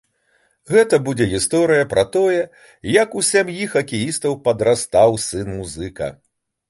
Гэта будзе гісторыя пра тое, як у сям'і хакеістаў падрастаў сын-музыка.